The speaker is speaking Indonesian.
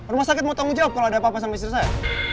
rumah sakit mau tanggung jawab kalau ada apa apa sama istri saya